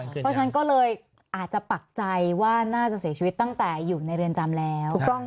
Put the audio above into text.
เพราะฉะนั้นก็เลยอาจจะปักใจว่าน่าจะเสียชีวิตตั้งแต่อยู่ในเรือนจำแล้ว